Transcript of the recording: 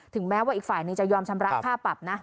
แม้ว่าอีกฝ่ายหนึ่งจะยอมชำระค่าปรับนะ